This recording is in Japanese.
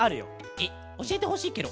えっおしえてほしいケロ！